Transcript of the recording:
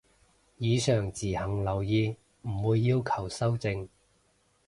以上自行留意，唔會要求修正